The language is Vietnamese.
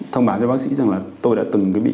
thông báo cho bác sĩ rằng là tôi đã từng bị